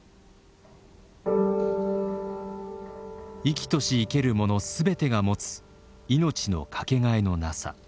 生きとし生けるもの全てが持つ命のかけがえのなさ。